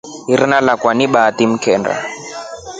Rina lakwa ni Bahati mkenda.